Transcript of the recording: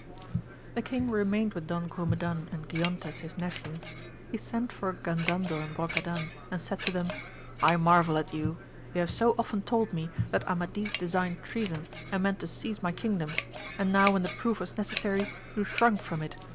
The king remained with Don Grumedan and Giontes his nephew ; he sent for Gandandel and Brocadan, and said to them, I marvel at you ! you have so often told me that Amadis designed treason and meant to seize my kingdom, and now when the proof was necessary you shrunk from it